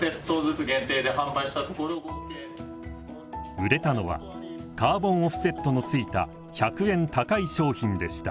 売れたのはカーボンオフセットのついた１００円高い商品でした。